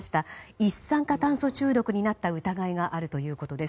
一酸化炭素中毒になった疑いがあるということです。